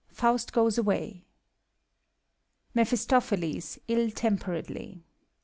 [Faust goes away, MEPHISTOPHELES ( Ul temperedly )